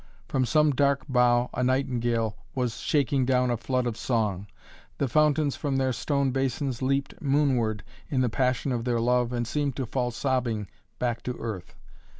From some dark bough a nightingale was shaking down a flood of song. The fountains from their stone basins leaped moonward in the passion of their love and seemed to fall sobbing back to earth.